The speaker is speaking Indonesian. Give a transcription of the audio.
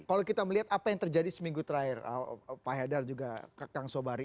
kalau kita melihat apa yang terjadi seminggu terakhir pak haidar juga kang sobari